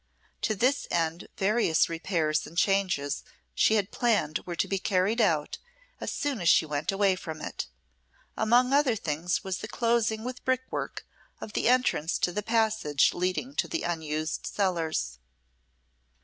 To this end various repairs and changes she had planned were to be carried out as soon as she went away from it. Among other things was the closing with brickwork of the entrance to the passage leading to the unused cellars.